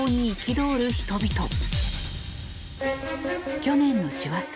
去年の師走